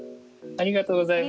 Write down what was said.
ありがとうございます。